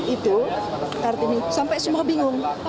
itu kartini sampai semua bingung